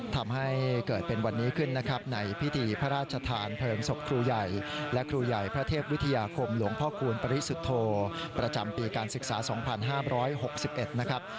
ทำให้เกิดเป็นวันนี้ขึ้นนะครับในพิธีพระราชทานเพลิงศพครูใหญ่และครูใหญ่พระเทพวิทยาคมหลวงพ่อคูณปริสุทธโธประจำปีการศึกษา๒๕๖๑นะครับ